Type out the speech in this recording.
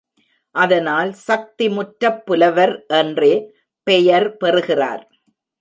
அதனால் சக்திமுற்றப் புலவர் என்றே பெயர் பெறுகிறார்.